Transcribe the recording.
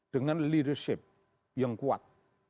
dengan leadership yang kuat